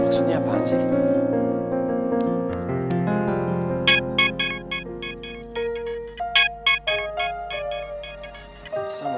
maksudnya apaan sih